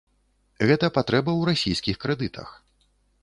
Гэта патрэба ў расійскіх крэдытах.